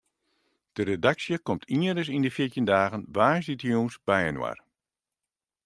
De redaksje komt ienris yn de fjirtjin dagen woansdeitejûns byinoar.